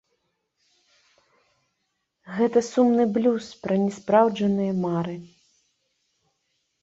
Гэта сумны блюз пра няспраўджаныя мары.